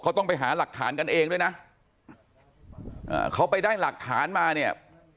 เขาต้องไปหาหลักฐานกันเองด้วยนะเขาไปได้หลักฐานมาเนี่ย